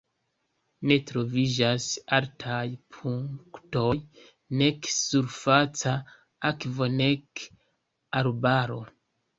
Ne troviĝas altaj punktoj, nek surfaca akvo, nek arbaro.